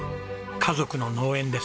家族の農園です。